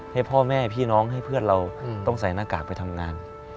ให้พ่อแม่พี่น้องให้เพื่อนเราต้องใส่หน้ากากไปทำงาน